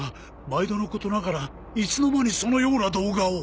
毎度のことながらいつの間にそのような動画を。